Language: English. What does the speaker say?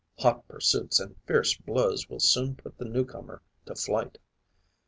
Hot pursuits and fierce blows will soon put the newcomer to flight.